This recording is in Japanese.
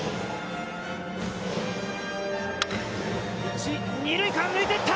一・二塁間、抜いていった。